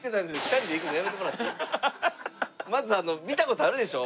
まずあの見た事あるでしょ。